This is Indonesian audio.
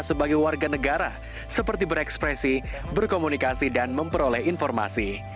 sebagai warga negara seperti berekspresi berkomunikasi dan memperoleh informasi